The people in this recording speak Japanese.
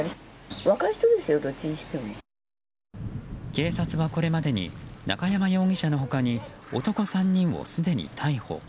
警察はこれまでに中山容疑者の他に男３人をすでに逮捕。